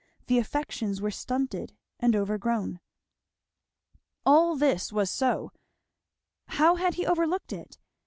The affections were stunted and overgrown. All this was so, how had he overlooked it?